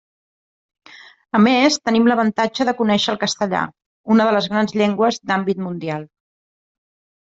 A més, tenim l'avantatge de conéixer el castellà, una de les grans llengües d'àmbit mundial.